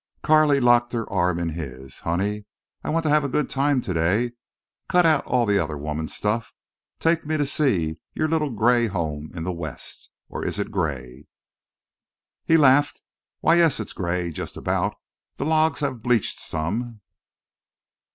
Carley locked her arm in his. "Honey, I want to have a good time today. Cut out all the other women stuff.... Take me to see your little gray home in the West. Or is it gray?" He laughed. "Why, yes, it's gray, just about. The logs have bleached some."